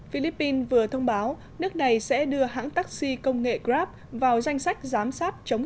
philippines vừa thông báo nước này sẽ đưa hãng taxi công nghệ grab vào danh sách giám sát chống